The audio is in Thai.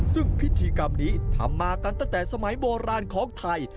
ซึ่งพิธีกรรมนี้ทำมากันตั้งแต่สมัยโบราณของไทย